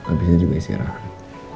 habisnya juga isi arahan